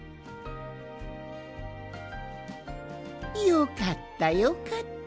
よかったよかった。